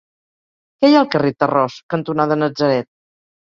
Què hi ha al carrer Tarròs cantonada Natzaret?